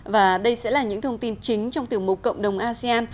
và đây sẽ là những thông tin chính trong tiểu mục cộng đồng asean